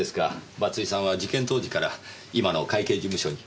松井さんは事件当時から今の会計事務所に。